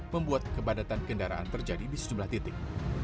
membuat kepadatan kendaraan terjadi di sejumlah titik